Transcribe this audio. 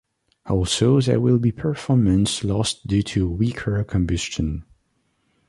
Also there will be performance lost due to a weaker combustion.